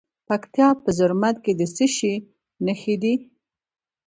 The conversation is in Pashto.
د پکتیا په زرمت کې د څه شي نښې دي؟